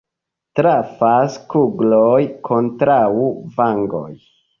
Trafas kugloj kontraŭ vangoj.